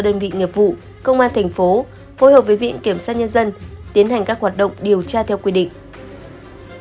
đơn vị nghiệp vụ công an thành phố phối hợp với viện kiểm sát nhân dân tiến hành các hoạt động điều tra theo quy định